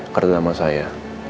kerja sama saya